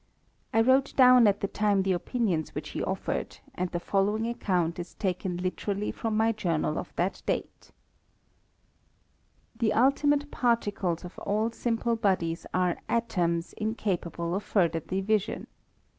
I wrote down at Uie time the opinions which he offered, and the following account is taken literally from my journal of that date : The ultimate particles of all simple bodies are atoms incapable of further division.